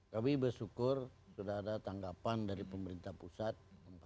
kami bersyukur sudah ada tanggapan dari pemerintah pusat